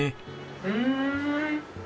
ふん。